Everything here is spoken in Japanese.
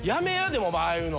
でもお前ああいうの。